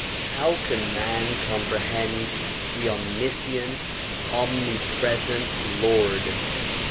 How can man compre hend the omniscient omnipresent Lord?